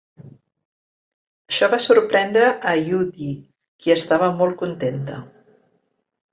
Això va sorprendre a Yu Di, qui estava molt contenta.